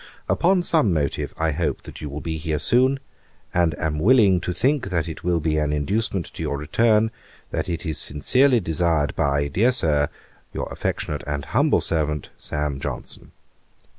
Upon some motive, I hope, that you will be here soon; and am willing to think that it will be an inducement to your return, that it is sincerely desired by, dear Sir, 'Your affectionate humble servant, 'SAM. JOHNSON.'